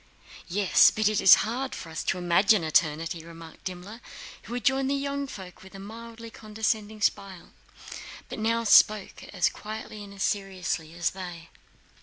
"Yes, but it is hard for us to imagine eternity," remarked Dimmler, who had joined the young folk with a mildly condescending smile but now spoke as quietly and seriously as they.